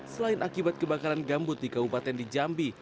selain akibat kebakaran gambut di kabupaten di jambi